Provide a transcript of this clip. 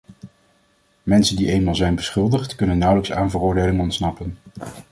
Mensen die eenmaal zijn beschuldigd, kunnen nauwelijks aan veroordeling ontsnappen.